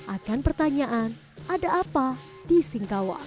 akan pertanyaan ada apa di singkawa